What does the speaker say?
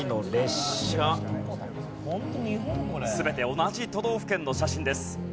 全て同じ都道府県の写真です。